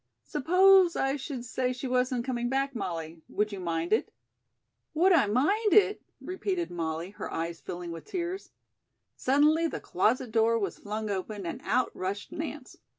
"Suppose I should say she wasn't coming back, Molly? Would you mind it?" "Would I mind it?" repeated Molly, her eyes filling with tears. Suddenly the closet door was flung open and out rushed Nance.